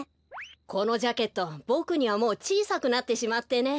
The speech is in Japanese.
このジャケットボクにはもうちいさくなってしまってね。